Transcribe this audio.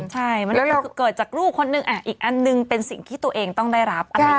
ใช่มันก็เกิดจากลูกคนนึงอีกอันหนึ่งเป็นสิ่งที่ตัวเองต้องได้รับอะไรอย่างนี้